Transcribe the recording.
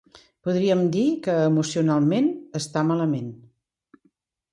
Podríem dir que emocionalment està malament.